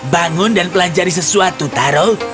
bangun dan pelanjari sesuatu taro